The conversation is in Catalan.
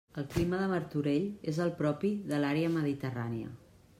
El clima de Martorell és el propi de l'àrea mediterrània.